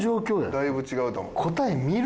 だいぶ違うと思う。